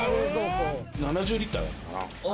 ７０リッターあるかな。